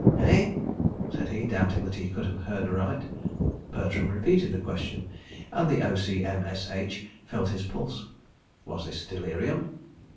"Eh?" said he, doubting that he could have heard aright. Bertram repeated the question, and the O.C., M.S.H., felt his pulse. Was this delirium?